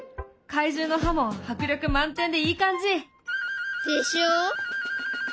怪獣の歯も迫力満点でいい感じ！でしょ。